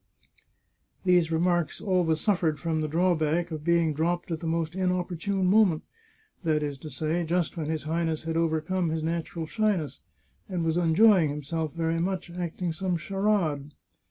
These remarks always suffered from the drawback of being dropped at the most inopportune moment — that is to say, just when his Highness had overcome his natural shy ness and was enjoying himself very much, acting some charade.